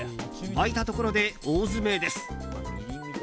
沸いたところで、大詰めです。